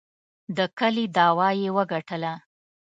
د کلي دعوه یې وګټله.